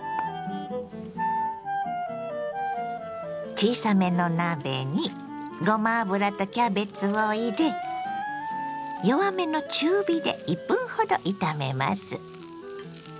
小さめの鍋にごま油とキャベツを入れ弱めの中火で１分ほど炒めます。